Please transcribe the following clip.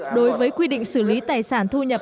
đối với quy định xử lý tài sản thu nhập